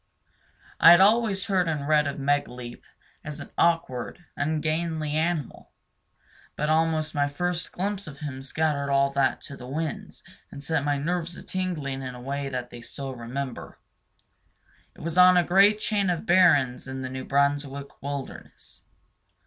I had always heard and read of Megaleep as an awkward, ungainly animal, but almost my first glimpse of him scattered all that to the winds and set my nerves a tingling in a way that they still remember. It was on a great chain of barrens in the New Brunswick wilderness.